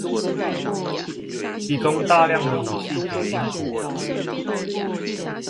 提供大量的武器給英國